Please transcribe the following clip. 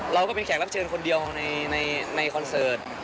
เราก็เป็นแขกรับเชิญคนเดียวในคอนเสิร์ต